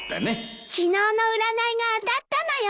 昨日の占いが当たったのよ。